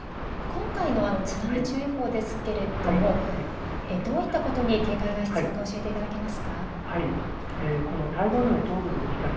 今回の津波注意報ですが、どういったことに警戒が必要か教えてください。